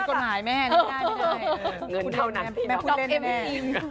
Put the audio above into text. คุณเล่นแน่